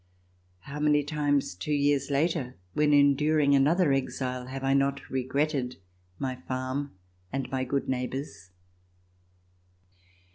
How many times, two years Inter, when enduring another exile, have I not regretted my farm and my good neighbors.